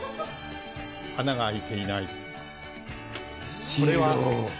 穴が開いていない。